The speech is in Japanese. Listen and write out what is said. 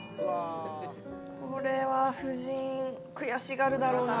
これは夫人、悔しがるだろうな。